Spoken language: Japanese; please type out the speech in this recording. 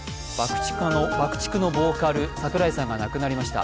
ＢＵＣＫ−ＴＩＣＫのボーカル櫻井さんが亡くなりました。